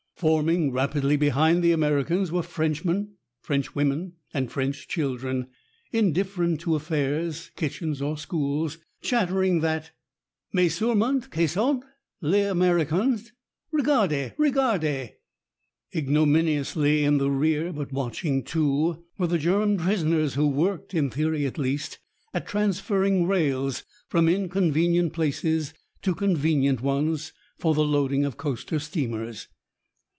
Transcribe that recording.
Forming rapidly behind the Americans were French men, French women, and French children, indifferent to affairs, kitchens, or schools, chattering that "Mais surement, c' sont les Américains regardez, regardez!..." Ignominiously in the rear, but watching too, were the German prisoners who worked, in theory at least, at transferring rails from inconvenient places to convenient ones for the loading of coaster steamers.